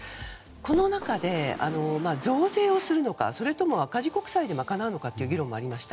この中で、増税をするのかそれとも赤字国債で賄うのかという議論もありました。